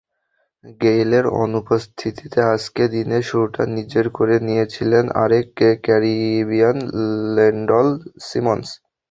গেইলের অনুপস্থিতিতে আজকে দিনের শুরুটা নিজের করে নিয়েছিলেন আরেক ক্যারিবীয় লেন্ডল সিমন্স।